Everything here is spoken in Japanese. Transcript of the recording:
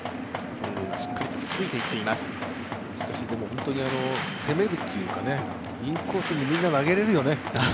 本当に攻めるというか、インコースにみんな投げれるよね。